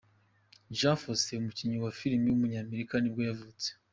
Jon Foster, umukinnyi wa film w’umunyamerika nibwo yavutse.